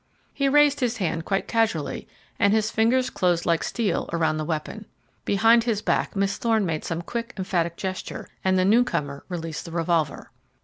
He raised his hand quite casually, and his fingers closed like steel around the weapon. Behind his back Miss Thorne made some quick emphatic gesture, and the new comer released the revolver.